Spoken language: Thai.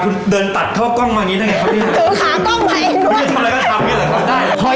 ถือขากล้องมาอีกด้วย